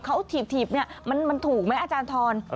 เขาถีบเนี่ยมันถูกไหมอาจารย์ทร